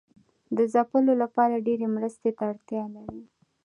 د ځپلو لپاره ډیرې مرستې ته اړتیا لري.